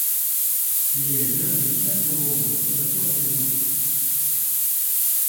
Il est l'un des quatre membres fondateurs du groupe.